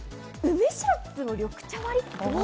梅シロップの緑茶割り。